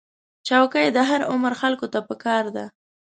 چوکۍ له هر عمر خلکو ته پکار ده.